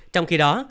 trong khi đó